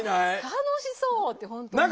楽しそうって本当にね。